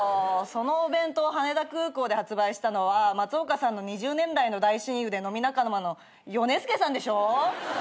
そのお弁当を羽田空港で発売したのは松岡さんの２０年来の大親友で飲み仲間のヨネスケさんでしょ。